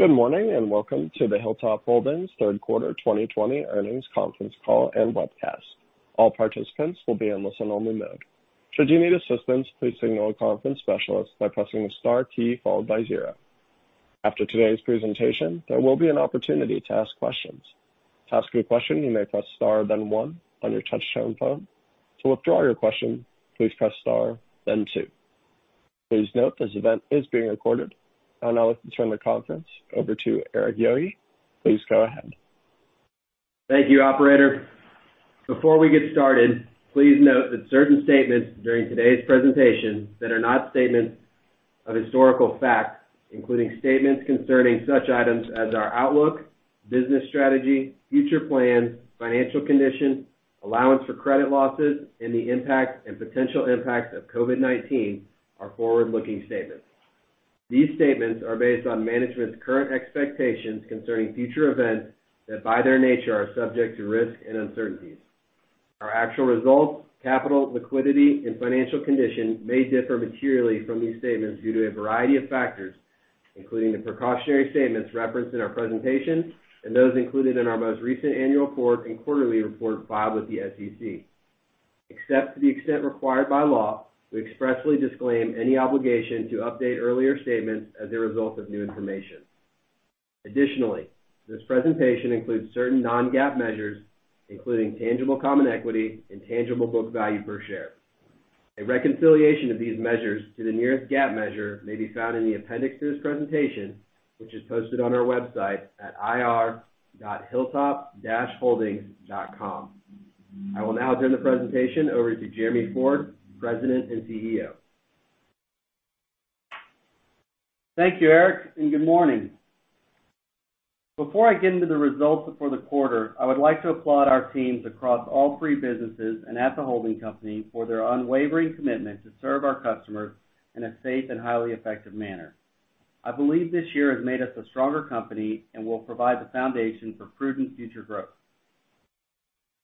Good morning, welcome to the Hilltop Holdings third quarter 2020 earnings conference call and webcast. All participants will be in listen-only mode. Should you need assistance please signal a conference specialist by pressing the star key followed by zero. After today's presentation, there will be an opportunity to ask questions. To ask any question you may press star then one on your touchtone phone. To withdraw your question please press star then two. Please note this event is being recorded. I would now like to turn the conference over to Erik Yohe. Please go ahead. Thank you, operator. Before we get started, please note that certain statements during today's presentation that are not statements of historical facts, including statements concerning such items as our outlook, business strategy, future plans, financial condition, allowance for credit losses, and the impact and potential impact of COVID-19 are forward-looking statements. These statements are based on management's current expectations concerning future events that, by their nature, are subject to risk and uncertainties. Our actual results, capital, liquidity, and financial condition may differ materially from these statements due to a variety of factors, including the precautionary statements referenced in our presentation and those included in our most recent annual report and quarterly report filed with the SEC. Except to the extent required by law, we expressly disclaim any obligation to update earlier statements as a result of new information. Additionally, this presentation includes certain non-GAAP measures, including tangible common equity and tangible book value per share. A reconciliation of these measures to the nearest GAAP measure may be found in the appendix to this presentation, which is posted on our website at ir.hilltop-holdings.com. I will now turn the presentation over to Jeremy Ford, President and CEO. Thank you, Erik, good morning. Before I get into the results for the quarter, I would like to applaud our teams across all three businesses and at the holding company for their unwavering commitment to serve our customers in a safe and highly effective manner. I believe this year has made us a stronger company and will provide the foundation for prudent future growth.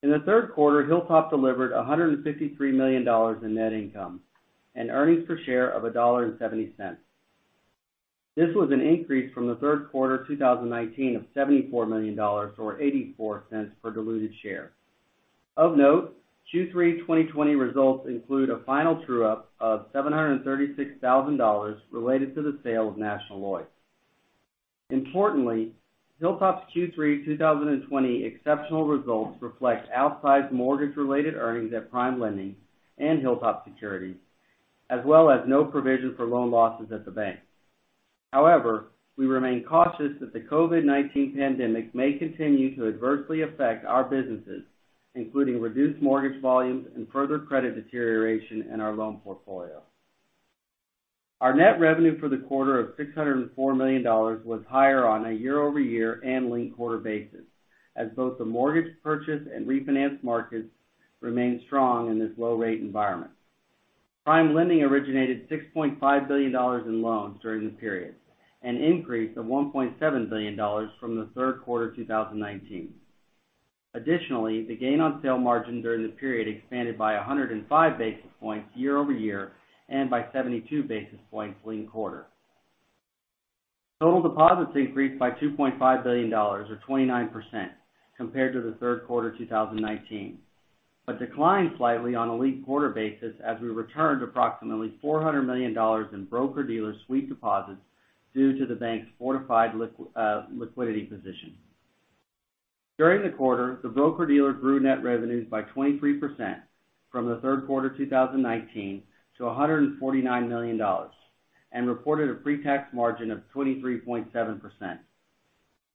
In the third quarter, Hilltop delivered $153 million in net income and earnings per share of $1.70. This was an increase from the third quarter 2019 of $74 million, or $0.84 per diluted share. Of note, Q3 2020 results include a final true-up of $736,000 related to the sale of National Lloyds. Importantly, Hilltop's Q3 2020 exceptional results reflect outsized mortgage-related earnings at PrimeLending and HilltopSecurities, as well as no provision for loan losses at the bank. However, we remain cautious that the COVID-19 pandemic may continue to adversely affect our businesses, including reduced mortgage volumes and further credit deterioration in our loan portfolio. Our net revenue for the quarter of $604 million was higher on a year-over-year and linked-quarter basis, as both the mortgage purchase and refinance markets remained strong in this low-rate environment. PrimeLending originated $6.5 billion in loans during the period, an increase of $1.7 billion from the third quarter 2019. Additionally, the gain on sale margin during the period expanded by 105 basis points year-over-year and by 72 basis points linked quarter. Total deposits increased by $2.5 billion, or 29%, compared to the third quarter 2019, but declined slightly on a linked-quarter basis as we returned approximately $400 million in broker-dealer sweep deposits due to the bank's fortified liquidity position. During the quarter, the broker-dealer grew net revenues by 23% from the third quarter 2019 to $149 million, and reported a pre-tax margin of 23.7%.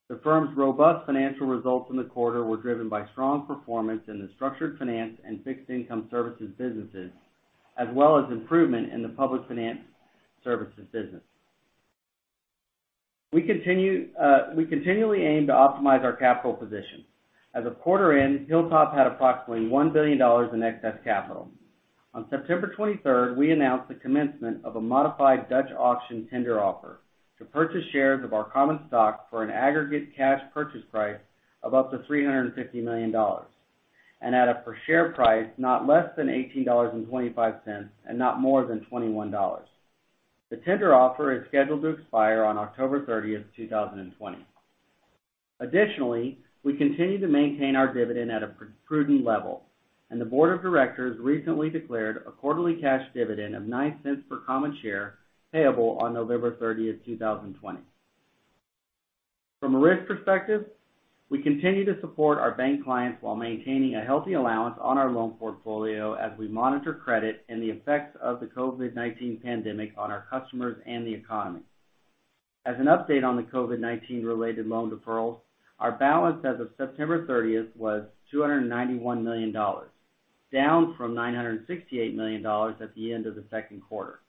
The firm's robust financial results in the quarter were driven by strong performance in the structured finance and fixed income services businesses, as well as improvement in the public finance services business. We continually aim to optimize our capital position. As of quarter end, Hilltop had approximately $1 billion in excess capital. On September 23rd, we announced the commencement of a modified Dutch auction tender offer to purchase shares of our common stock for an aggregate cash purchase price of up to $350 million and at a per share price not less than $18.25 and not more than $21. The tender offer is scheduled to expire on October 30th, 2020. Additionally, we continue to maintain our dividend at a prudent level, and the board of directors recently declared a quarterly cash dividend of $0.09 per common share payable on November 30th, 2020. From a risk perspective, we continue to support our bank clients while maintaining a healthy allowance on our loan portfolio as we monitor credit and the effects of the COVID-19 pandemic on our customers and the economy. As an update on the COVID-19 related loan deferrals, our balance as of September 30th was $291 million, down from $968 million at the end of the second quarter.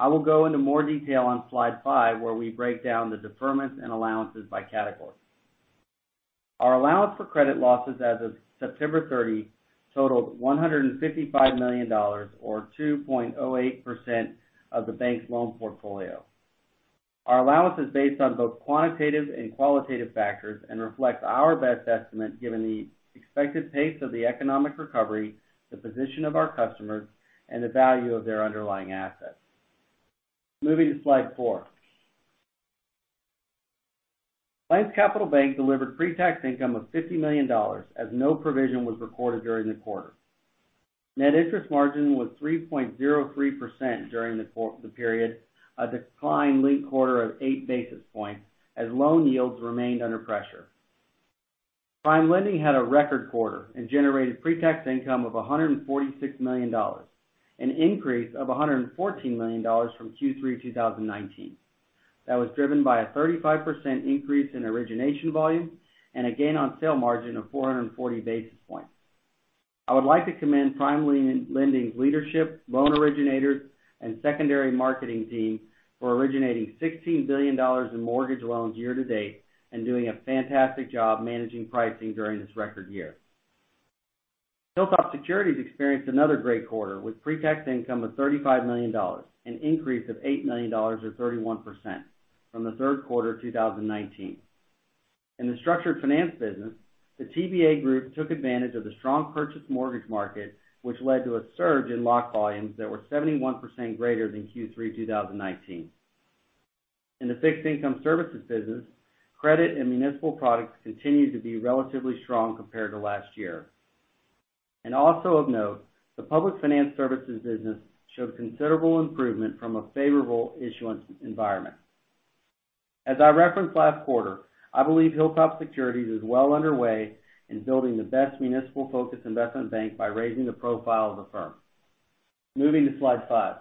I will go into more detail on slide five, where we break down the deferments and allowances by category. Our allowance for credit losses as of September 30 totaled $155 million, or 2.08% of the bank's loan portfolio. Our allowance is based on both quantitative and qualitative factors and reflects our best estimate given the expected pace of the economic recovery, the position of our customers, and the value of their underlying assets. Moving to slide four. PlainsCapital Bank delivered pre-tax income of $50 million as no provision was recorded during the quarter. Net interest margin was 3.03% during the period, a decline linked quarter of eight basis points as loan yields remained under pressure. PrimeLending had a record quarter and generated pre-tax income of $146 million, an increase of $114 million from Q3 2019. That was driven by a 35% increase in origination volume and a gain on sale margin of 440 basis points. I would like to commend PrimeLending's leadership, loan originators, and secondary marketing team for originating $16 billion in mortgage loans year-to-date and doing a fantastic job managing pricing during this record year. HilltopSecurities experienced another great quarter with pre-tax income of $35 million, an increase of $8 million or 31% from the third quarter of 2019. In the structured finance business, the TBA group took advantage of the strong purchase mortgage market, which led to a surge in lock volumes that were 71% greater than Q3 2019. In the Fixed Income Services business, credit and municipal products continued to be relatively strong compared to last year. Also of note, the Public Finance Services business showed considerable improvement from a favorable issuance environment. As I referenced last quarter, I believe HilltopSecurities is well underway in building the best municipal-focused investment bank by raising the profile of the firm. Moving to slide five.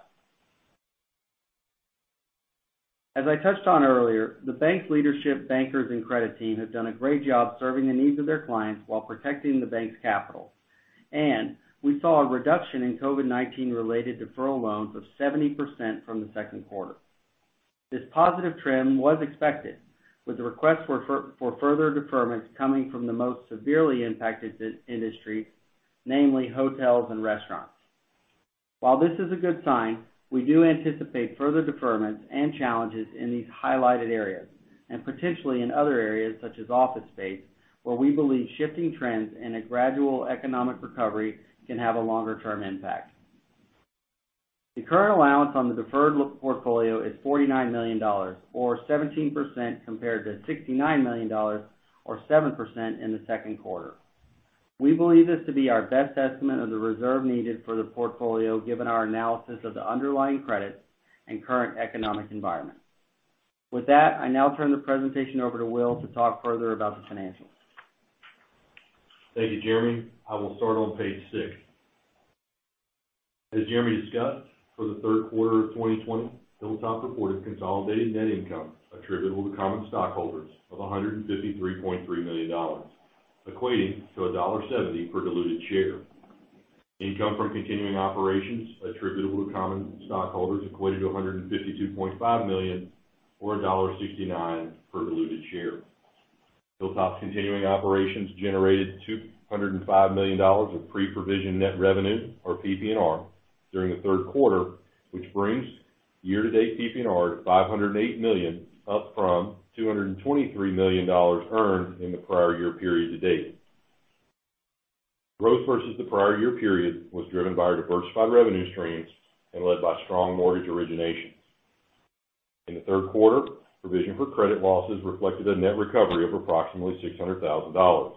As I touched on earlier, the bank's leadership, bankers, and credit team have done a great job serving the needs of their clients while protecting the bank's capital. We saw a reduction in COVID-19 related deferral loans of 70% from the second quarter. This positive trend was expected, with the request for further deferments coming from the most severely impacted industry, namely hotels and restaurants. While this is a good sign, we do anticipate further deferments and challenges in these highlighted areas, and potentially in other areas such as office space, where we believe shifting trends and a gradual economic recovery can have a longer-term impact. The current allowance on the deferred portfolio is $49 million, or 17%, compared to $69 million, or 7%, in the second quarter. We believe this to be our best estimate of the reserve needed for the portfolio given our analysis of the underlying credit and current economic environment. With that, I now turn the presentation over to Will to talk further about the financials. Thank you, Jeremy. I will start on page six. As Jeremy discussed, for the third quarter of 2020, Hilltop reported consolidated net income attributable to common stockholders of $153.3 million, equating to $1.70 per diluted share. Income from continuing operations attributable to common stockholders equated to $152.5 million, or $1.69 per diluted share. Hilltop's continuing operations generated $205 million of pre-provision net revenue, or PPNR, during the third quarter, which brings year-to-date PPNR to $508 million, up from $223 million earned in the prior year period to date. Growth versus the prior year period was driven by our diversified revenue streams and led by strong mortgage originations. In the third quarter, provision for credit losses reflected a net recovery of approximately $600,000.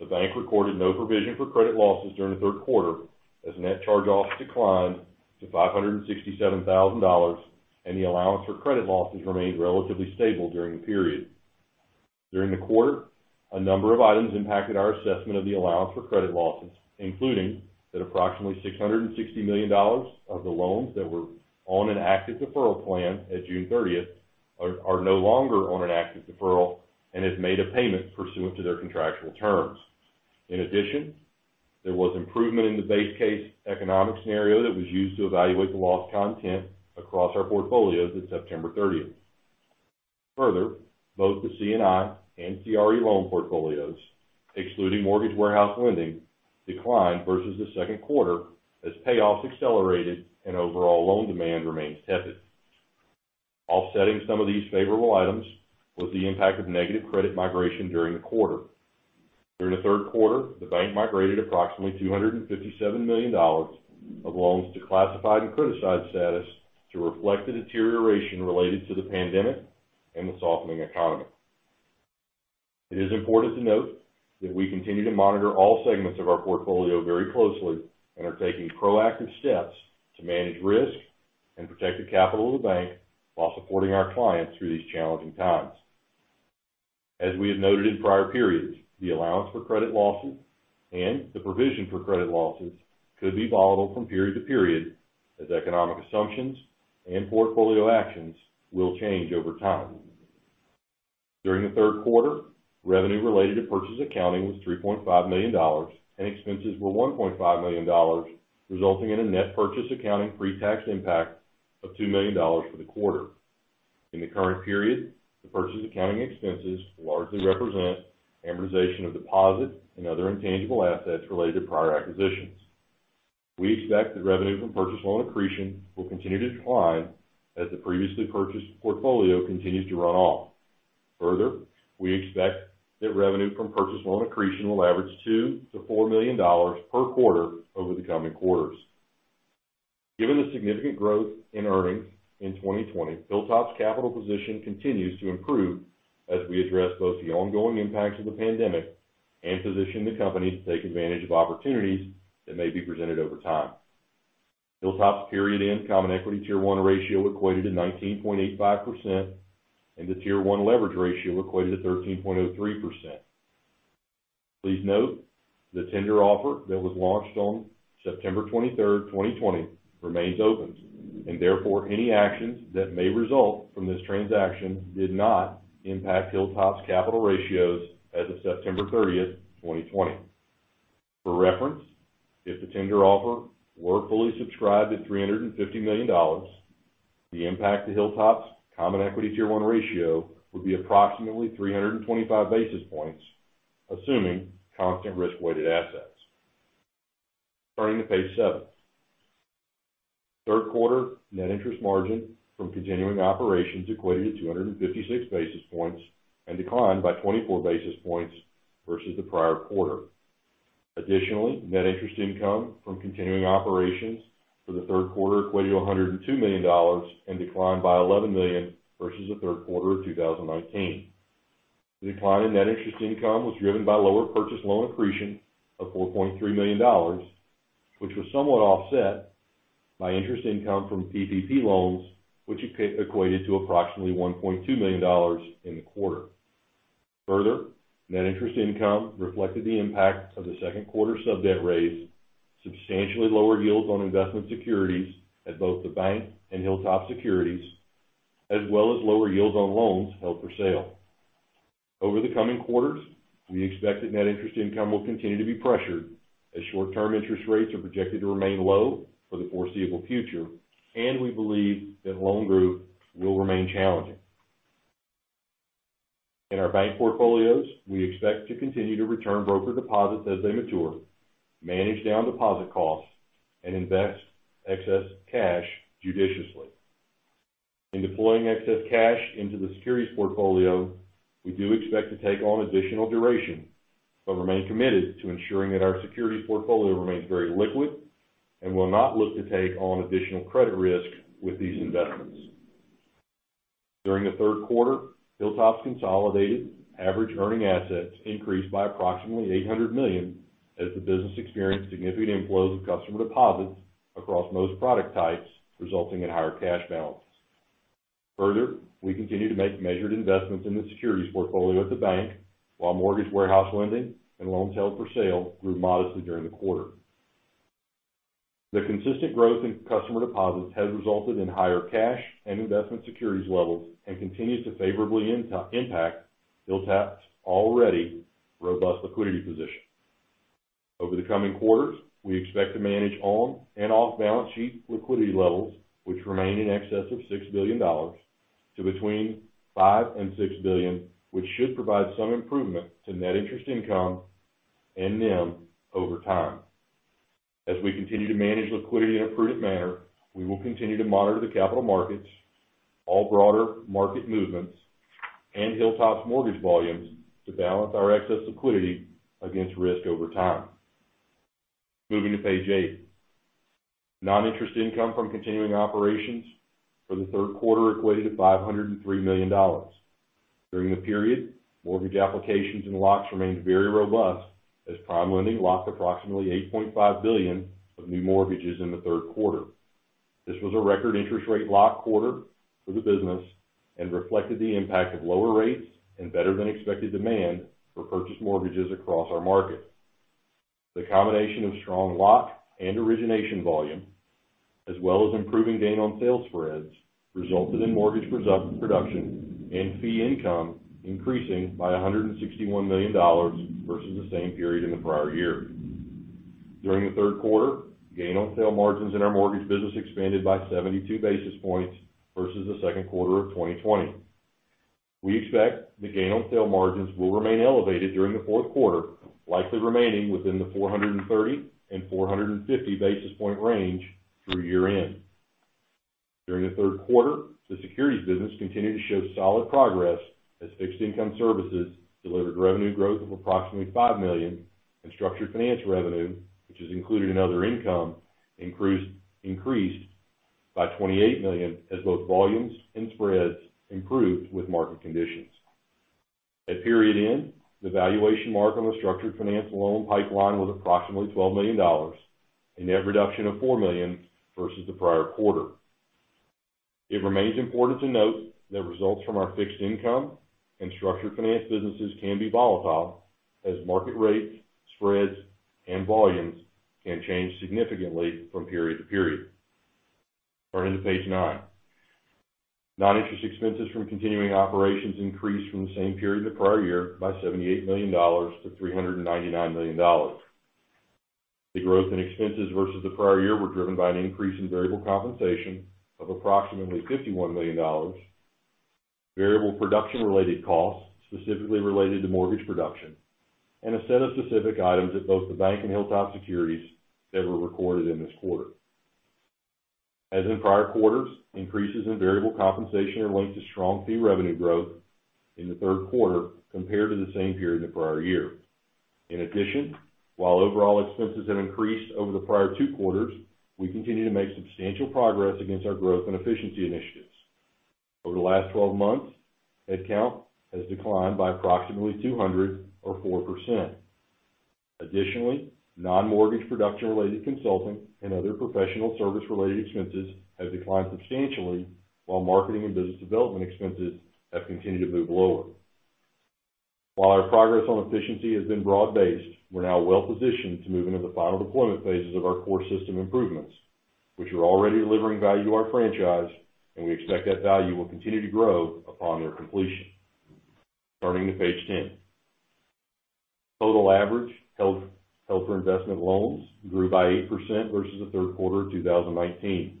The bank recorded no provision for credit losses during the third quarter as net charge-offs declined to $567,000, and the allowance for credit losses remained relatively stable during the period. During the quarter, a number of items impacted our assessment of the allowance for credit losses, including that approximately $660 million of the loans that were on an active deferral plan at June 30th are no longer on an active deferral and have made a payment pursuant to their contractual terms. In addition, there was improvement in the base case economic scenario that was used to evaluate the loss content across our portfolios at September 30th. Further, both the C&I and CRE loan portfolios, excluding mortgage warehouse lending, declined versus the second quarter as payoffs accelerated and overall loan demand remains tepid. Offsetting some of these favorable items was the impact of negative credit migration during the quarter. During the third quarter, the bank migrated approximately $257 million of loans to classified and criticized status to reflect the deterioration related to the pandemic and the softening economy. It is important to note that we continue to monitor all segments of our portfolio very closely and are taking proactive steps to manage risk and protect the capital of the bank while supporting our clients through these challenging times. As we have noted in prior periods, the allowance for credit losses and the provision for credit losses could be volatile from period to period as economic assumptions and portfolio actions will change over time. During the third quarter, revenue related to purchase accounting was $3.5 million and expenses were $1.5 million, resulting in a net purchase accounting pre-tax impact of $2 million for the quarter. In the current period, the purchase accounting expenses largely represent amortization of deposit and other intangible assets related to prior acquisitions. We expect that revenue from purchase loan accretion will continue to decline as the previously purchased portfolio continues to run off. Further, we expect that revenue from purchase loan accretion will average $2 million-$4 million per quarter over the coming quarters. Given the significant growth in earnings in 2020, Hilltop's capital position continues to improve as we address both the ongoing impacts of the pandemic and position the company to take advantage of opportunities that may be presented over time. Hilltop's period-end common equity tier one ratio equated to 19.85%, and the tier one leverage ratio equated to 13.03%. Please note, the tender offer that was launched on September 23rd, 2020, remains open, and therefore, any actions that may result from this transaction did not impact Hilltop's capital ratios as of September 30th, 2020. For reference, if the tender offer were fully subscribed at $350 million, the impact to Hilltop's common equity tier one ratio would be approximately 325 basis points, assuming constant risk-weighted assets. Turning to page seven. Third quarter net interest margin from continuing operations equated to 256 basis points and declined by 24 basis points versus the prior quarter. Additionally, net interest income from continuing operations for the third quarter equated to $102 million and declined by $11 million versus the third quarter of 2019. The decline in net interest income was driven by lower purchased loan accretion of $4.3 million, which was somewhat offset by interest income from PPP loans, which equated to approximately $1.2 million in the quarter. Net interest income reflected the impact of the second quarter sub-debt raise, substantially lower yields on investment securities at both the bank and HilltopSecurities, as well as lower yields on loans held for sale. Over the coming quarters, we expect that net interest income will continue to be pressured as short-term interest rates are projected to remain low for the foreseeable future, and we believe that loan growth will remain challenging. In our bank portfolios, we expect to continue to return broker deposits as they mature, manage down deposit costs, and invest excess cash judiciously. In deploying excess cash into the securities portfolio, we do expect to take on additional duration but remain committed to ensuring that our securities portfolio remains very liquid and will not look to take on additional credit risk with these investments. During the third quarter, Hilltop's consolidated average earning assets increased by approximately $800 million as the business experienced significant inflows of customer deposits across most product types, resulting in higher cash balances. Further, we continue to make measured investments in the securities portfolio at the bank, while mortgage warehouse lending and loans held for sale grew modestly during the quarter. The consistent growth in customer deposits has resulted in higher cash and investment securities levels and continues to favorably impact Hilltop's already robust liquidity position. Over the coming quarters, we expect to manage on and off-balance sheet liquidity levels, which remain in excess of $6 billion, to between $5 billion and $6 billion, which should provide some improvement to net interest income and NIM over time. As we continue to manage liquidity in a prudent manner, we will continue to monitor the capital markets, all broader market movements, and Hilltop's mortgage volumes to balance our excess liquidity against risk over time. Moving to page eight. Non-interest income from continuing operations for the third quarter equated to $503 million. During the period, mortgage applications and locks remained very robust as PrimeLending locked approximately $8.5 billion of new mortgages in the third quarter. This was a record interest rate lock quarter for the business and reflected the impact of lower rates and better-than-expected demand for purchase mortgages across our market. The combination of strong lock and origination volume, as well as improving gain on sale spreads, resulted in mortgage production and fee income increasing by $161 million versus the same period in the prior year. During the third quarter, gain on sale margins in our mortgage business expanded by 72 basis points versus the second quarter of 2020. We expect the gain on sale margins will remain elevated during the fourth quarter, likely remaining within the 430-450 basis point range through year-end. During the third quarter, the securities business continued to show solid progress as fixed income services delivered revenue growth of approximately $5 million, and structured finance revenue, which is included in other income, increased by $28 million as both volumes and spreads improved with market conditions. At period end, the valuation mark on the structured finance loan pipeline was approximately $12 million, a net reduction of $4 million versus the prior quarter. It remains important to note that results from our fixed income and structured finance businesses can be volatile as market rates, spreads, and volumes can change significantly from period to period. Turning to page nine. Non-interest expenses from continuing operations increased from the same period the prior year by $78 million to $399 million. The growth in expenses versus the prior year were driven by an increase in variable compensation of approximately $51 million, variable production related costs, specifically related to mortgage production, and a set of specific items at both the bank and HilltopSecurities that were recorded in this quarter. As in prior quarters, increases in variable compensation are linked to strong fee revenue growth in the third quarter compared to the same period in the prior year. In addition, while overall expenses have increased over the prior two quarters, we continue to make substantial progress against our growth and efficiency initiatives. Over the last 12 months, headcount has declined by approximately 200 or 4%. Additionally, non-mortgage production related consulting and other professional service related expenses have declined substantially while marketing and business development expenses have continued to move lower. While our progress on efficiency has been broad based, we're now well positioned to move into the final deployment phases of our core system improvements, which are already delivering value to our franchise, and we expect that value will continue to grow upon their completion. Turning to page 10. Total average held-for-investment loans grew by 8% versus the third quarter of 2019.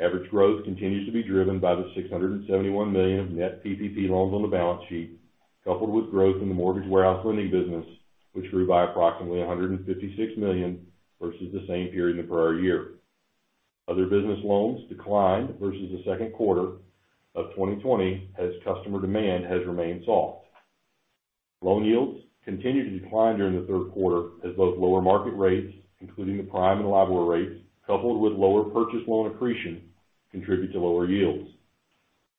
Average growth continues to be driven by the $671 million of net PPP loans on the balance sheet, coupled with growth in the mortgage warehouse lending business, which grew by approximately $156 million versus the same period in the prior year. Other business loans declined versus the second quarter of 2020, as customer demand has remained soft. Loan yields continued to decline during the third quarter as both lower market rates, including the prime and LIBOR rates, coupled with lower purchase loan accretion, contribute to lower yields.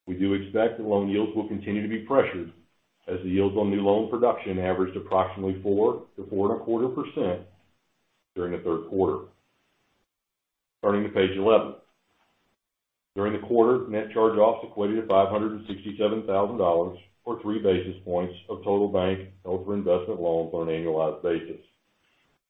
We do expect that loan yields will continue to be pressured as the yields on new loan production averaged approximately 4%-4.25% during the third quarter. Turning to page 11. During the quarter, net charge-offs equated to $567,000 or 3 basis points of total bank held-for-investment loans on an annualized basis.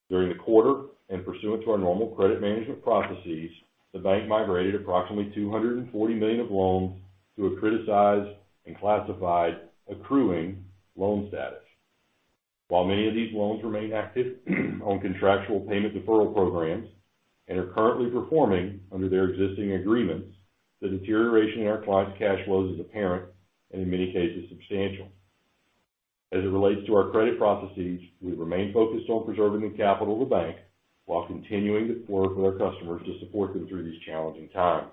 During the quarter, and pursuant to our normal credit management processes, the bank migrated approximately $240 million of loans to a criticized and classified accruing loan status. While many of these loans remain active on contractual payment deferral programs and are currently performing under their existing agreements, the deterioration in our clients' cash flows is apparent and in many cases, substantial. As it relates to our credit processes, we remain focused on preserving the capital of the bank while continuing to work with our customers to support them through these challenging times.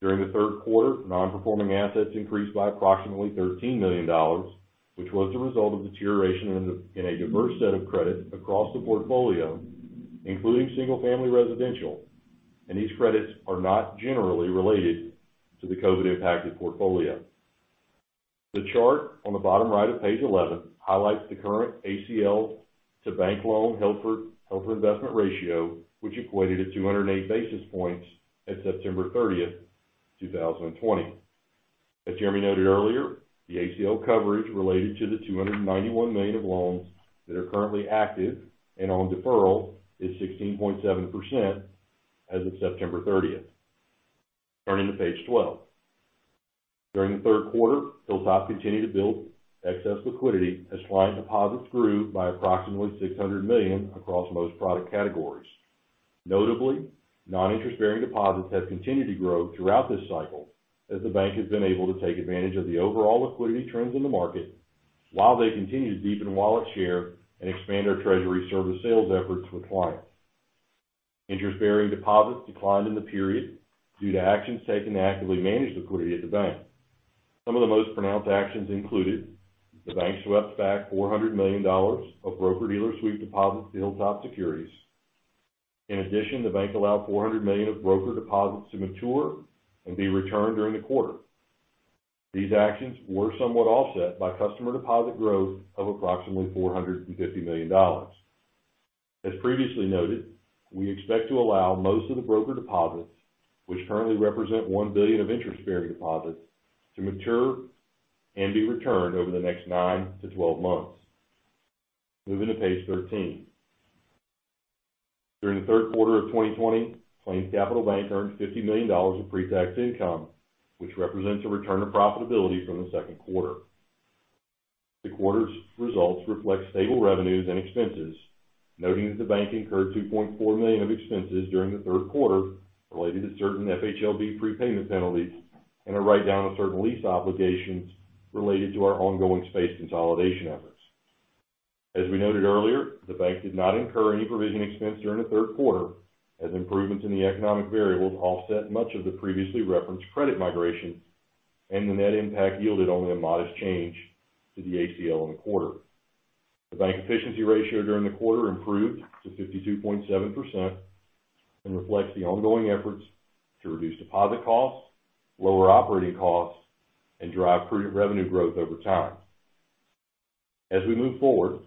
During the third quarter, non-performing assets increased by approximately $13 million, which was the result of deterioration in a diverse set of credits across the portfolio, including single-family residential. These credits are not generally related to the COVID impacted portfolio. The chart on the bottom right of page 11 highlights the current ACL to bank loan held-for-investment ratio, which equated at 208 basis points at September 30th, 2020. As Jeremy noted earlier, the ACL coverage related to the $291 million of loans that are currently active and on deferral is 16.7% as of September 30th. Turning to page 12. During the third quarter, Hilltop continued to build excess liquidity as client deposits grew by approximately $600 million across most product categories. Notably, non-interest bearing deposits have continued to grow throughout this cycle as the bank has been able to take advantage of the overall liquidity trends in the market while they continue to deepen wallet share and expand our treasury service sales efforts with clients. Interest-bearing deposits declined in the period due to actions taken to actively manage liquidity at the bank. Some of the most pronounced actions included the bank swept back $400 million of broker-dealer sweep deposits to HilltopSecurities. In addition, the bank allowed $400 million of broker deposits to mature and be returned during the quarter. These actions were somewhat offset by customer deposit growth of approximately $450 million. As previously noted, we expect to allow most of the broker deposits, which currently represent $1 billion of interest bearing deposits, to mature and be returned over the next nine to 12 months. Moving to page 13. During the third quarter of 2020, PlainsCapital Bank earned $50 million of pre-tax income, which represents a return to profitability from the second quarter. The quarter's results reflect stable revenues and expenses, noting that the bank incurred $2.4 million of expenses during the third quarter related to certain FHLB prepayment penalties and a write-down of certain lease obligations related to our ongoing space consolidation efforts. As we noted earlier, the bank did not incur any provision expense during the third quarter as improvements in the economic variables offset much of the previously referenced credit migration, and the net impact yielded only a modest change to the ACL in the quarter. The bank efficiency ratio during the quarter improved to 52.7% and reflects the ongoing efforts to reduce deposit costs, lower operating costs, and drive prudent revenue growth over time. As we move forward,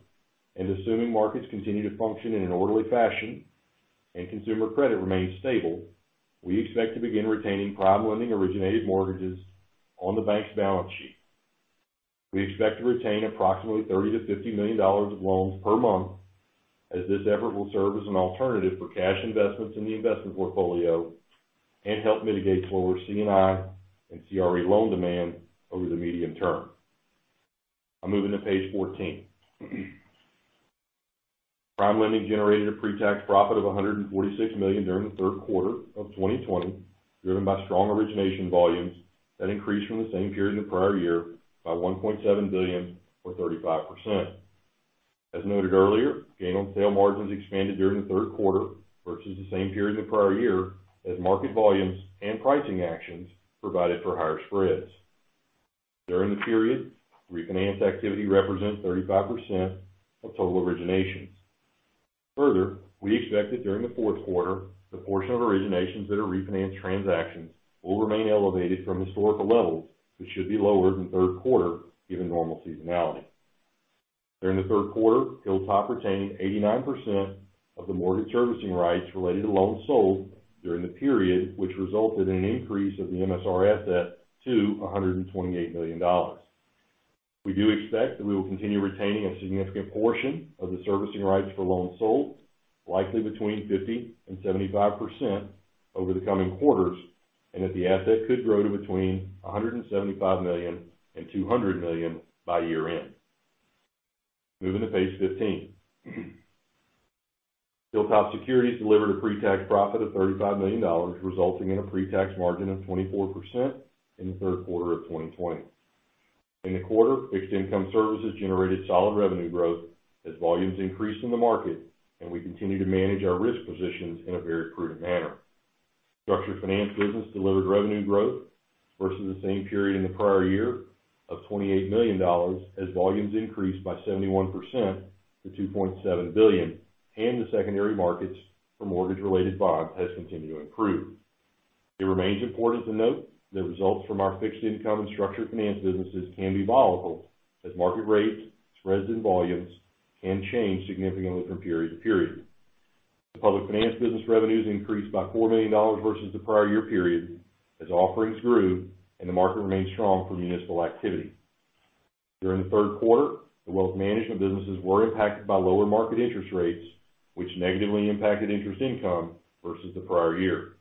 and assuming markets continue to function in an orderly fashion and consumer credit remains stable, we expect to begin retaining PrimeLending originated mortgages on the bank's balance sheet. We expect to retain approximately $30 million-$50 million of loans per month as this effort will serve as an alternative for cash investments in the investment portfolio and help mitigate slower C&I and CRE loan demand over the medium term. I'm moving to page 14. PrimeLending generated a pre-tax profit of $146 million during the third quarter of 2020, driven by strong origination volumes that increased from the same period in the prior year by $1.7 billion or 35%. As noted earlier, gain on sale margins expanded during the third quarter versus the same period in the prior year as market volumes and pricing actions provided for higher spreads. During the period, refinance activity represents 35% of total originations. We expect that during the fourth quarter, the portion of originations that are refinance transactions will remain elevated from historical levels, but should be lower than third quarter given normal seasonality. During the third quarter, Hilltop retained 89% of the mortgage servicing rights related to loans sold during the period, which resulted in an increase of the MSR asset to $128 million. We do expect that we will continue retaining a significant portion of the servicing rights for loans sold, likely between 50% and 75% over the coming quarters, and that the asset could grow to between $175 million and $200 million by year-end. Moving to page 15. HilltopSecurities delivered a pre-tax profit of $35 million, resulting in a pre-tax margin of 24% in the third quarter of 2020. In the quarter, fixed income services generated solid revenue growth as volumes increased in the market, and we continue to manage our risk positions in a very prudent manner. Structured finance business delivered revenue growth versus the same period in the prior year of $28 million, as volumes increased by 71% to $2.7 billion, and the secondary markets for mortgage-related bonds has continued to improve. It remains important to note that results from our fixed income and structured finance businesses can be volatile as market rates, spreads, and volumes can change significantly from period to period. The public finance business revenues increased by $4 million versus the prior year period, as offerings grew and the market remained strong for municipal activity. During the third quarter, the Wealth Management businesses were impacted by lower market interest rates, which negatively impacted interest income versus the prior year.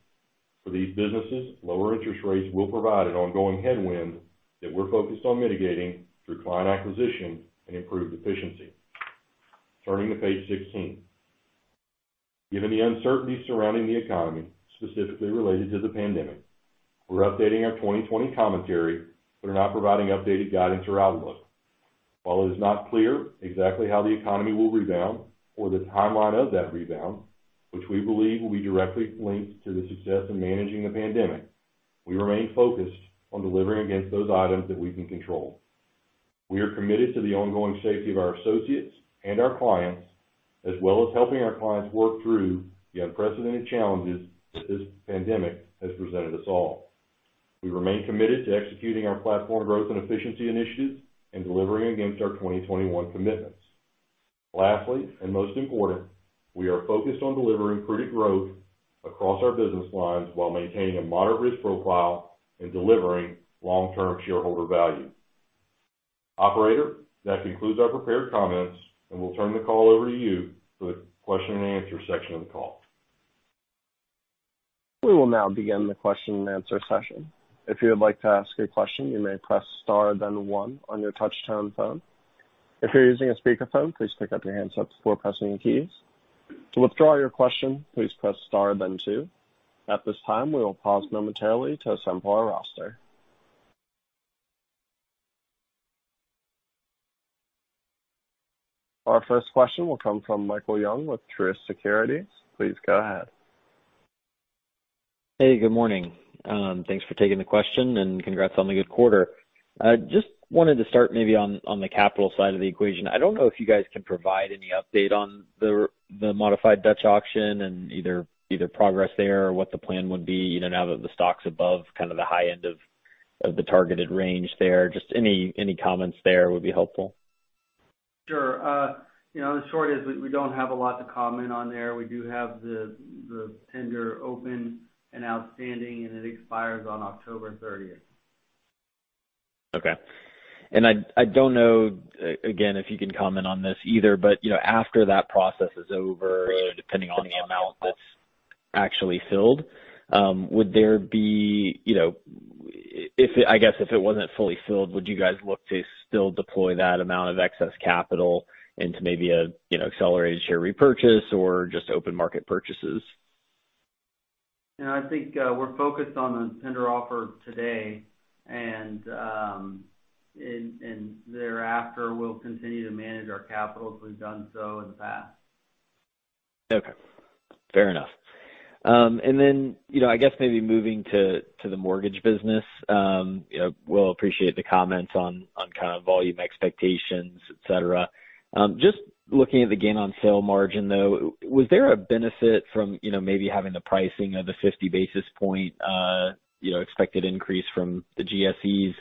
For these businesses, lower interest rates will provide an ongoing headwind that we're focused on mitigating through client acquisition and improved efficiency. Turning to page 16. Given the uncertainty surrounding the economy, specifically related to the pandemic, we're updating our 2020 commentary, but are not providing updated guidance or outlook. While it is not clear exactly how the economy will rebound or the timeline of that rebound, which we believe will be directly linked to the success in managing the pandemic, we remain focused on delivering against those items that we can control. We are committed to the ongoing safety of our associates and our clients, as well as helping our clients work through the unprecedented challenges that this pandemic has presented us all. We remain committed to executing our platform growth and efficiency initiatives and delivering against our 2021 commitments. Lastly, and most important, we are focused on delivering prudent growth across our business lines while maintaining a moderate risk profile and delivering long-term shareholder value. Operator, that concludes our prepared comments, and we'll turn the call over to you for the question and answer section of the call. We will now begin the question and answer session. If you would like to ask a question, you may press star then one on your touchtone phone. If you're using a speakerphone please pick up your handset before pressing the keys. To withdraw your question, please press star then two. At this time we will pause momentarily to assemble our roster. Our first question will come from Michael Young with Truist Securities. Please go ahead. Hey, good morning. Thanks for taking the question and congrats on the good quarter. Just wanted to start maybe on the capital side of the equation. I don't know if you guys can provide any update on the modified Dutch auction and either progress there or what the plan would be, now that the stock's above kind of the high end of the targeted range there. Just any comments there would be helpful. Sure. The short is we don't have a lot to comment on there. We do have the tender open and outstanding, and it expires on October 30th. Okay. I don't know, again, if you can comment on this either, after that process is over, depending on the amount that's actually filled, I guess if it wasn't fully filled, would you guys look to still deploy that amount of excess capital into maybe an accelerated share repurchase or just open market purchases? I think, we're focused on the tender offer today, thereafter, we'll continue to manage our capital as we've done so in the past. Okay. Fair enough. I guess maybe moving to the mortgage business. We'll appreciate the comments on kind of volume expectations, et cetera. Just looking at the gain on sale margin, though, was there a benefit from maybe having the pricing of the 50 basis point expected increase from the GSEs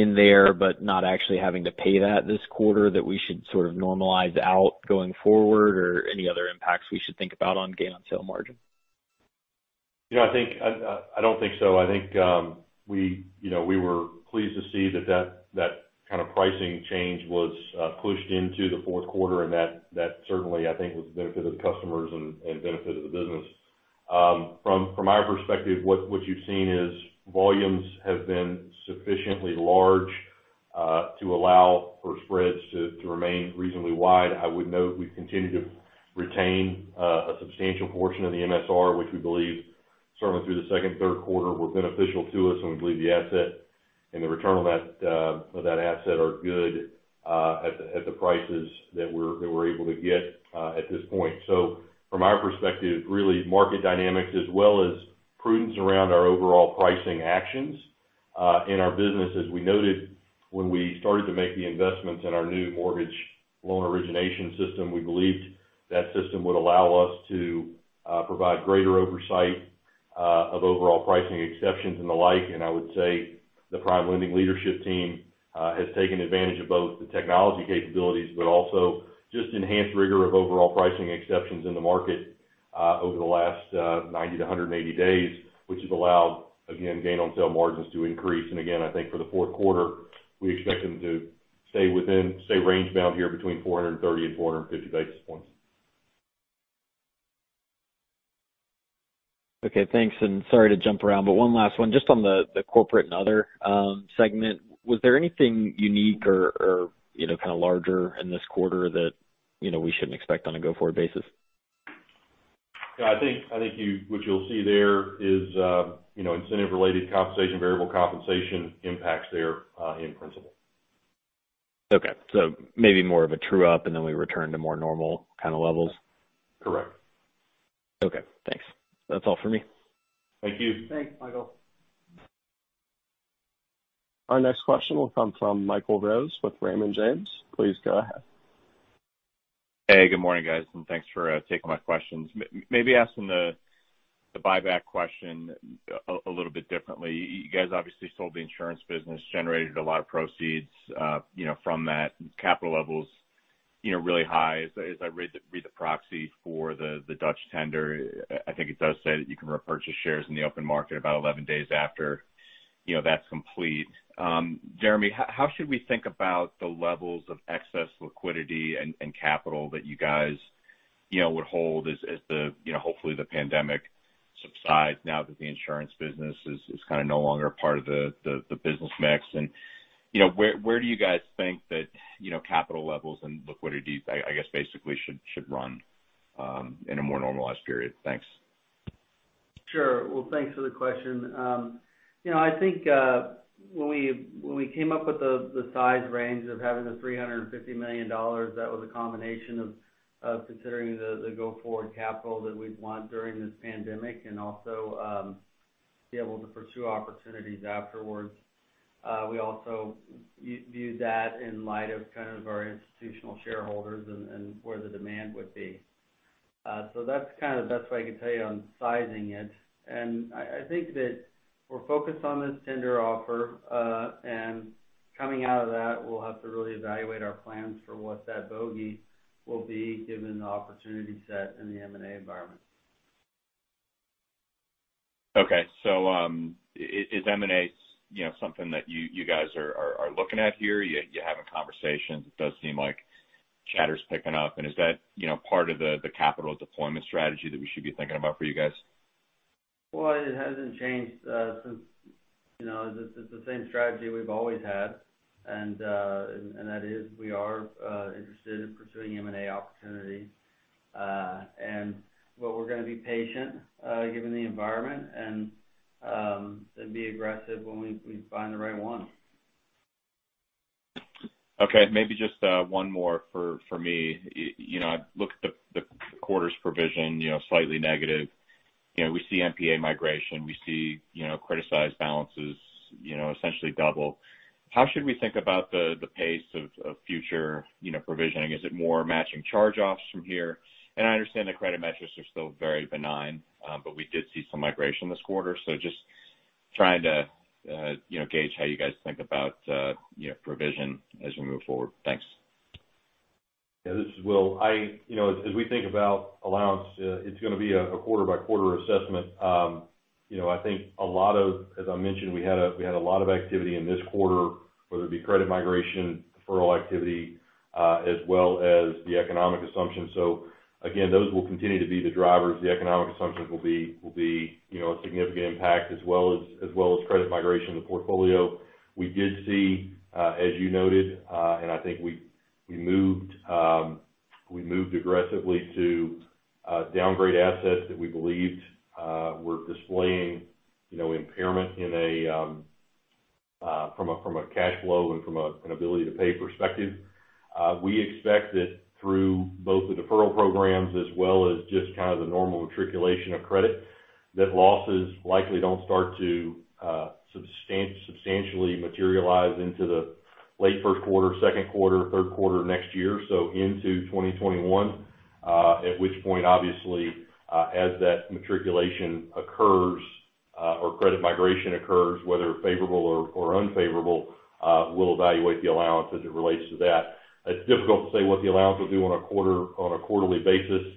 in there, but not actually having to pay that this quarter that we should sort of normalize out going forward, or any other impacts we should think about on gain on sale margin? I don't think so. I think, we were pleased to see that that kind of pricing change was pushed into the fourth quarter, and that certainly, I think, was a benefit of the customers and benefit of the business. From our perspective, what you've seen is volumes have been sufficiently large to allow for spreads to remain reasonably wide. I would note we've continued to retain a substantial portion of the MSR, which we believe certainly through the second and third quarter were beneficial to us, and we believe the asset and the return on that asset are good at the prices that we're able to get at this point. From our perspective, really market dynamics as well as prudence around our overall pricing actions. In our business, as we noted, when we started to make the investments in our new mortgage loan origination system, we believed that system would allow us to provide greater oversight of overall pricing exceptions and the like. I would say the PrimeLending leadership team has taken advantage of both the technology capabilities, but also just enhanced rigor of overall pricing exceptions in the market over the last 90-180 days, which has allowed, again, gain on sale margins to increase. Again, I think for the fourth quarter, we expect them to stay range-bound here between 430 and 450 basis points. Okay, thanks. Sorry to jump around, but one last one. Just on the corporate and other segment, was there anything unique or kind of larger in this quarter that we shouldn't expect on a go-forward basis? I think what you'll see there is incentive-related compensation, variable compensation impacts there in principle. Okay. Maybe more of a true-up, and then we return to more normal kind of levels. Correct. Okay, thanks. That's all for me. Thank you. Thanks, Michael. Our next question will come from Michael Rose with Raymond James. Please go ahead. Good morning, guys. Thanks for taking my questions. Maybe asking the buyback question a little bit differently. You guys obviously sold the insurance business, generated a lot of proceeds from that. Capital level's really high. As I read the proxy for the Dutch tender, I think it does say that you can repurchase shares in the open market about 11 days after that's complete. Jeremy, how should we think about the levels of excess liquidity and capital that you guys would hold as hopefully the pandemic subsides now that the Insurance business is kind of no longer a part of the business mix? Where do you guys think that capital levels and liquidity, I guess basically, should run in a more normalized period? Thanks. Sure. Well, thanks for the question. I think when we came up with the size range of having the $350 million, that was a combination of considering the go-forward capital that we'd want during this pandemic and also be able to pursue opportunities afterwards. We also viewed that in light of kind of our institutional shareholders and where the demand would be. That's kind of the best way I can tell you on sizing it. I think that we're focused on this tender offer, and coming out of that, we'll have to really evaluate our plans for what that bogey will be given the opportunity set in the M&A environment. Is M&A something that you guys are looking at here? You're having conversations. It does seem like chatter's picking up. Is that part of the capital deployment strategy that we should be thinking about for you guys? Well, it hasn't changed. It's the same strategy we've always had, and that is we are interested in pursuing M&A opportunities. We're going to be patient given the environment and be aggressive when we find the right one. Okay, maybe just one more for me. I look at the quarter's provision, slightly negative. We see NPA migration, we see criticized balances essentially double. How should we think about the pace of future provisioning? Is it more matching charge-offs from here? I understand the credit metrics are still very benign, but we did see some migration this quarter. Just trying to gauge how you guys think about provision as we move forward. Thanks. Yeah, this is Will. As we think about allowance, it's going to be a quarter-by-quarter assessment. As I mentioned, we had a lot of activity in this quarter, whether it be credit migration, deferral activity, as well as the economic assumptions. Again, those will continue to be the drivers. The economic assumptions will be a significant impact as well as credit migration in the portfolio. We did see, as you noted, and I think we moved aggressively to downgrade assets that we believed were displaying impairment from a cash flow and from an ability to pay perspective. We expect that through both the deferral programs as well as just kind of the normal matriculation of credit, that losses likely don't start to substantially materialize into the late first quarter, second quarter, third quarter of next year. Into 2021, at which point, obviously, as that matriculation occurs or credit migration occurs, whether favorable or unfavorable, we'll evaluate the allowance as it relates to that. It's difficult to say what the allowance will do on a quarterly basis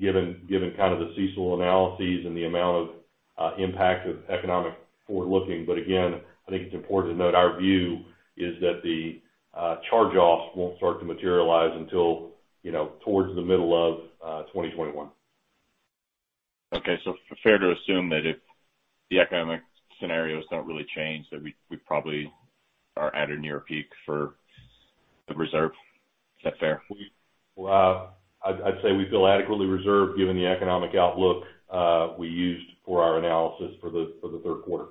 given kind of the CECL analyses and the amount of impact of economic forward-looking. Again, I think it's important to note our view is that the charge-offs won't start to materialize until towards the middle of 2021. Okay, fair to assume that if the economic scenarios don't really change, that we probably are at or near a peak for the reserve. Is that fair? I'd say we feel adequately reserved given the economic outlook we used for our analysis for the third quarter.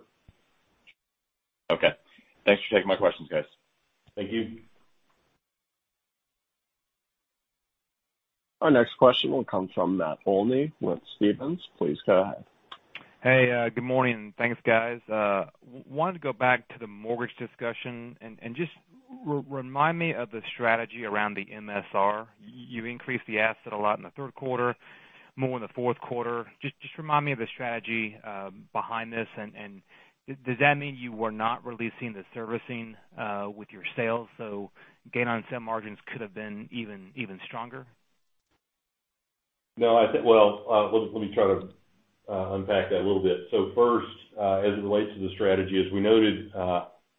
Okay. Thanks for taking my questions, guys. Thank you. Our next question will come from Matt Olney with Stephens. Please go ahead. Hey, good morning. Thanks, guys. Wanted to go back to the mortgage discussion and just remind me of the strategy around the MSR. You increased the asset a lot in the third quarter, more in the fourth quarter. Just remind me of the strategy behind this, and does that mean you were not releasing the servicing with your sales, so gain on sale margins could have been even stronger? No. Well, let me try to unpack that a little bit. First, as it relates to the strategy, as we noted,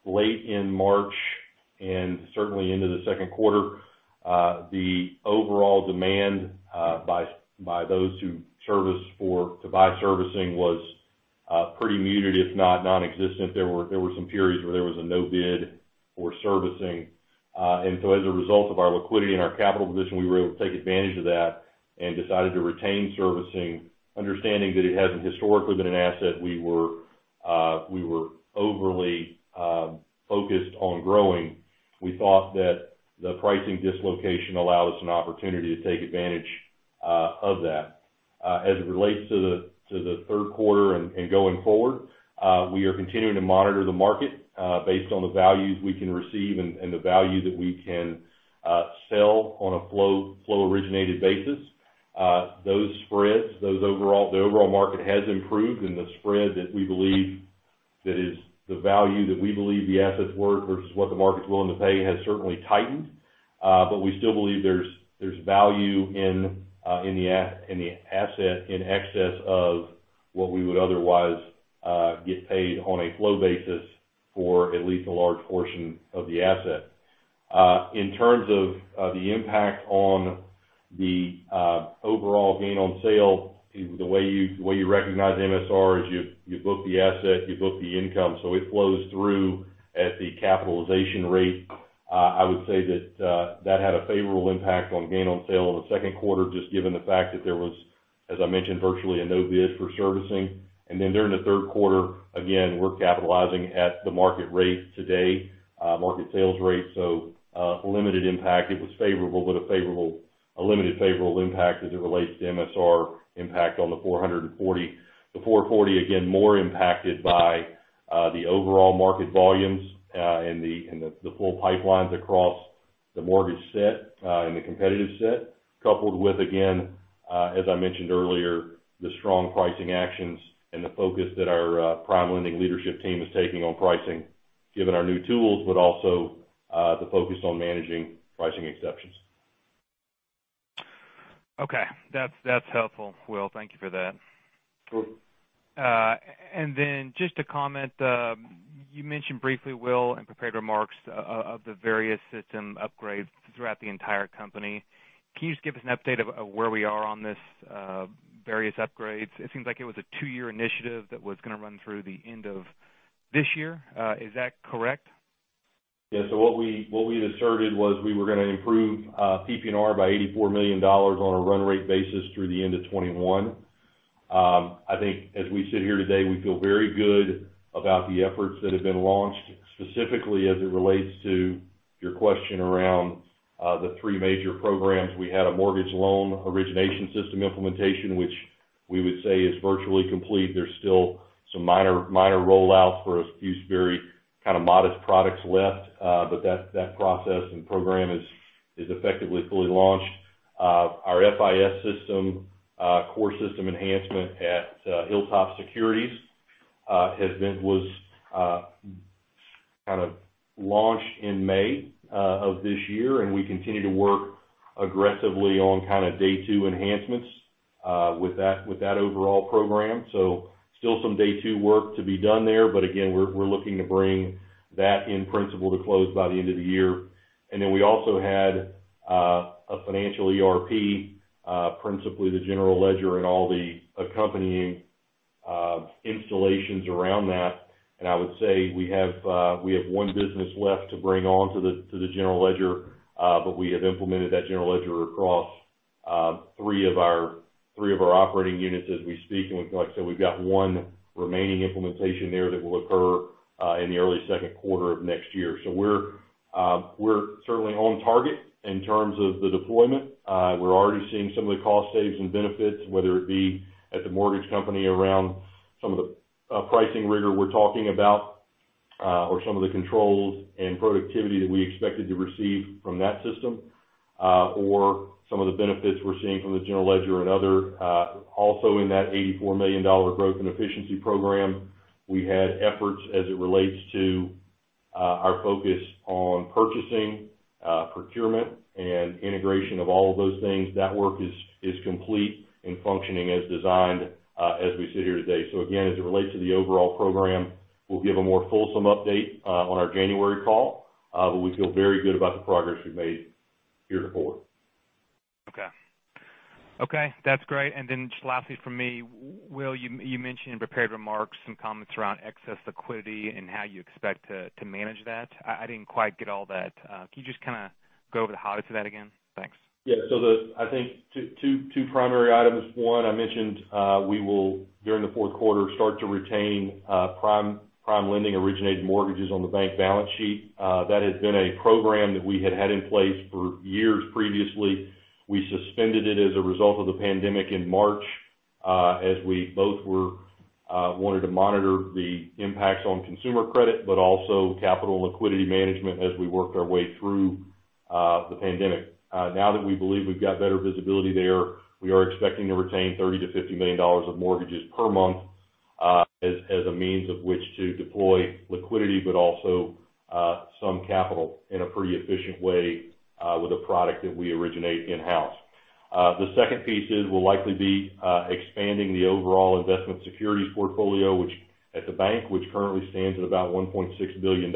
late in March and certainly into the second quarter, the overall demand by those who service to buy servicing was pretty muted, if not non-existent. There were some periods where there was a no bid for servicing. As a result of our liquidity and our capital position, we were able to take advantage of that and decided to retain servicing, understanding that it hasn't historically been an asset we were overly focused on growing. We thought that the pricing dislocation allowed us an opportunity to take advantage of that. As it relates to the third quarter and going forward, we are continuing to monitor the market, based on the values we can receive and the value that we can sell on a flow-originated basis. The overall market has improved, and the spread that we believe that is the value that we believe the assets were versus what the market's willing to pay has certainly tightened. We still believe there's value in the asset in excess of what we would otherwise get paid on a flow basis for at least a large portion of the asset. In terms of the impact on the overall gain on sale, the way you recognize MSR is you book the asset, you book the income. It flows through at the capitalization rate. I would say that that had a favorable impact on gain on sale in the second quarter, just given the fact that there was, as I mentioned, virtually a no bid for servicing. During the third quarter, again, we're capitalizing at the market rate today, market sales rate. A limited impact. It was favorable, but a limited favorable impact as it relates to MSR impact on the 440. The 440, again, more impacted by the overall market volumes, and the full pipelines across the mortgage set and the competitive set, coupled with, again, as I mentioned earlier, the strong pricing actions and the focus that our PrimeLending leadership team is taking on pricing, given our new tools, but also the focus on managing pricing exceptions. Okay. That's helpful, Will. Thank you for that. Sure. Just a comment. You mentioned briefly, Will, in prepared remarks, of the various system upgrades throughout the entire company. Can you just give us an update of where we are on these various upgrades? It seems like it was a two-year initiative that was going to run through the end of this year. Is that correct? Yeah. What we'd asserted was we were going to improve PPNR by $84 million on a run rate basis through the end of 2021. I think as we sit here today, we feel very good about the efforts that have been launched, specifically as it relates to your question around the three major programs. We had a mortgage loan origination system implementation, which we would say is virtually complete. There's still some minor rollout for a few very modest products left. That process and program is effectively fully launched. Our FIS system, core system enhancement at HilltopSecurities, was launched in May of this year, and we continue to work aggressively on day two enhancements with that overall program. Still some day two work to be done there, but again, we're looking to bring that in principle to close by the end of the year. Then we also had a financial ERP, principally the general ledger and all the accompanying installations around that. I would say we have one business left to bring on to the general ledger. We have implemented that general ledger across three of our operating units as we speak. Like I said, we've got one remaining implementation there that will occur in the early second quarter of next year. We're certainly on target in terms of the deployment. We're already seeing some of the cost saves and benefits, whether it be at the mortgage company around some of the pricing rigor we're talking about, or some of the controls and productivity that we expected to receive from that system, or some of the benefits we're seeing from the general ledger and other. Also, in that $84 million Growth and Efficiency program, we had efforts as it relates to our focus on purchasing, procurement, and integration of all of those things. That work is complete and functioning as designed as we sit here today. Again, as it relates to the overall program, we'll give a more fulsome update on our January call. We feel very good about the progress we've made here to forward. Okay. That's great. Just lastly from me, Will, you mentioned in prepared remarks some comments around excess liquidity and how you expect to manage that. I didn't quite get all that. Can you just go over the highlights of that again? Thanks. Yeah. I think two primary items. One, I mentioned we will, during the fourth quarter, start to retain PrimeLending originated mortgages on the bank balance sheet. That has been a program that we had had in place for years previously. We suspended it as a result of the pandemic in March. As we both wanted to monitor the impacts on consumer credit, but also capital and liquidity management as we worked our way through the pandemic. Now that we believe we've got better visibility there, we are expecting to retain $30 million-$50 million of mortgages per month as a means of which to deploy liquidity, but also some capital in a pretty efficient way with a product that we originate in-house. The second piece is we'll likely be expanding the overall investment securities portfolio at the bank, which currently stands at about $1.6 billion.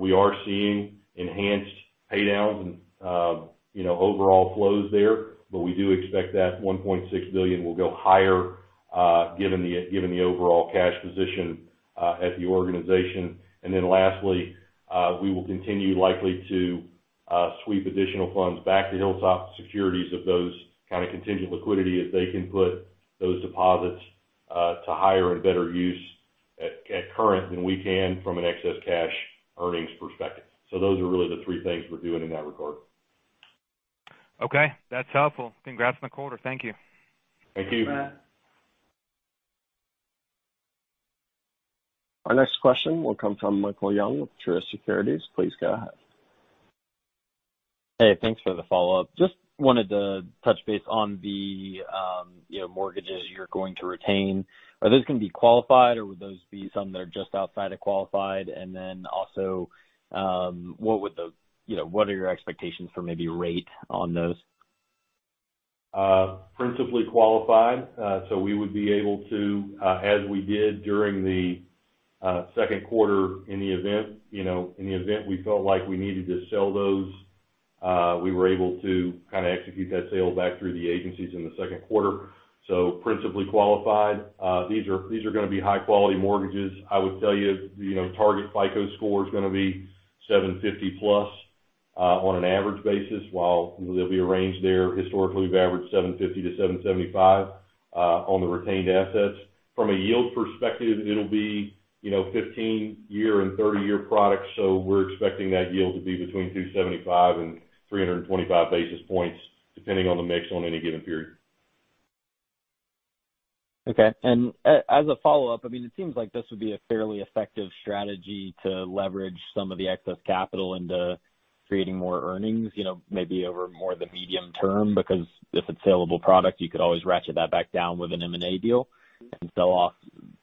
We are seeing enhanced pay downs and overall flows there. We do expect that $1.6 billion will go higher, given the overall cash position at the organization. Lastly, we will continue likely to sweep additional funds back to HilltopSecurities if those kind of contingent liquidity, if they can put those deposits to higher and better use at current than we can from an excess cash earnings perspective. Those are really the three things we're doing in that regard. Okay, that's helpful. Congrats on the quarter. Thank you. Thank you. Thanks, Matt. Our next question will come from Michael Young with Truist Securities. Please go ahead. Hey, thanks for the follow-up. Just wanted to touch base on the mortgages you're going to retain. Are those going to be qualified, or would those be some that are just outside of qualified? What are your expectations for maybe rate on those? Principally qualified. We would be able to, as we did during the second quarter, in the event we felt like we needed to sell those, we were able to execute that sale back through the agencies in the second quarter. Principally qualified. These are going to be high-quality mortgages. I would tell you, target FICO score is going to be 750+ on an average basis, while there'll be a range there. Historically, we've averaged 750-775 on the retained assets. From a yield perspective, it'll be 15-year and 30-year products. We're expecting that yield to be between 275 and 325 basis points, depending on the mix on any given period. Okay. As a follow-up, it seems like this would be a fairly effective strategy to leverage some of the excess capital into creating more earnings, maybe over more the medium-term, because if it's saleable product, you could always ratchet that back down with an M&A deal and sell off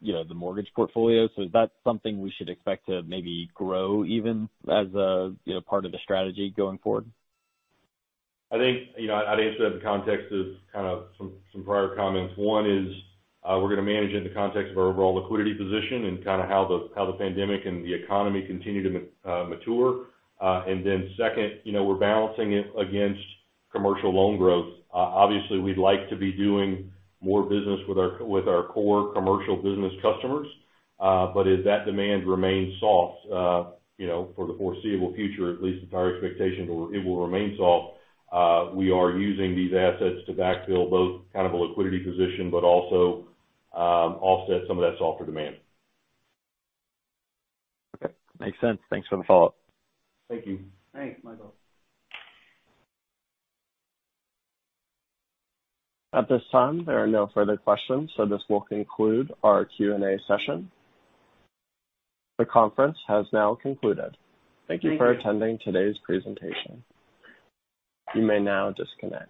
the mortgage portfolio. Is that something we should expect to maybe grow even as a part of the strategy going forward? I'd answer that in the context of some prior comments. One is we're going to manage it in the context of our overall liquidity position and how the pandemic and the economy continue to mature. Second, we're balancing it against commercial loan growth. Obviously, we'd like to be doing more business with our core Commercial Business customers. As that demand remains soft, for the foreseeable future at least, it's our expectation it will remain soft. We are using these assets to backfill both a liquidity position, but also offset some of that softer demand. Okay. Makes sense. Thanks for the follow-up. Thank you. Thanks, Michael. At this time, there are no further questions, so this will conclude our Q&A session. The conference has now concluded. Thank you for attending today's presentation. You may now disconnect.